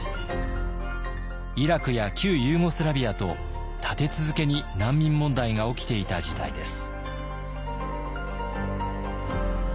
イラクや旧ユーゴスラビアと立て続けに難民問題が起きていた時代です。